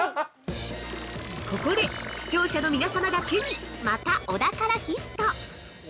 ◆ここで視聴者の皆様だけにまた小田からヒント！